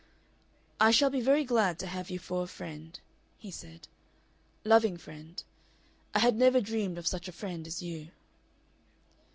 "I shall be very glad to have you for a friend," he said, "loving friend. I had never dreamed of such a friend as you."